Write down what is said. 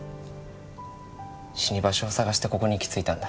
死に場所を探してここに行き着いたんだ。